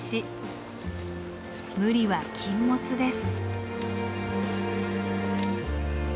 無理は禁物です。